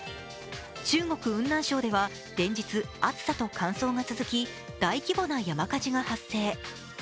中国・雲南省では連日暑さと乾燥が続き大規模な山火事が発生。